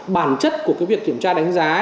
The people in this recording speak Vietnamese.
bản chất của cái việc kiểm tra đánh giá